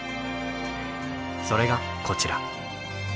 それがこちら。